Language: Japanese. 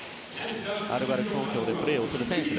アルバルク東京でプレーする選手。